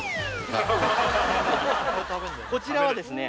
こちらはですね